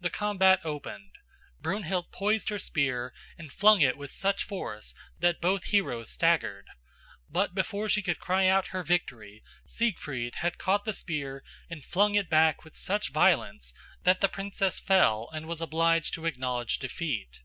The combat opened. Brunhild poised her spear and flung it with such force that both heroes staggered; but before she could cry out her victory Siegfried had caught the spear and flung it back with such violence that the princess fell and was obliged to acknowledge defeat.